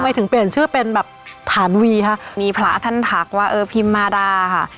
ถึงเปลี่ยนชื่อเป็นแบบฐานวีค่ะมีพระท่านทักว่าเออพิมมาดาค่ะ